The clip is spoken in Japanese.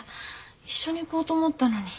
一緒に行こうと思ったのに。